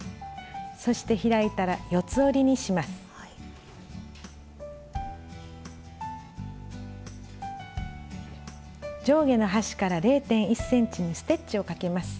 そして開いたら上下の端から０．１ｃｍにステッチをかけます。